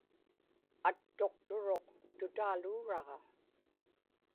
attuqturuq tutaaluuraġa